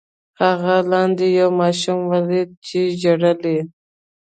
هغه لاندې یو ماشوم ولید چې ژړل یې.